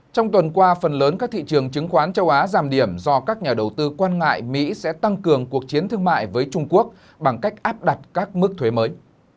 trong tuần qua phần lớn các thị trường chứng khoán châu á giảm điểm do các nhà đầu tư quan ngại mỹ sẽ tăng cường cuộc chiến thương mại với trung quốc bằng cách áp đặt các mức thuế mới